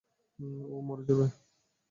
ও মরে যাবে!